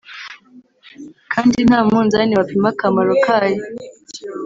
kandi nta munzani wapima akamaro kayo